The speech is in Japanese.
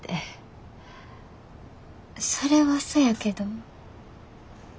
それはそやけど。